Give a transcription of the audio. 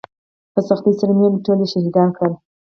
په سختۍ سره مې وويل ټول يې شهيدان کړل.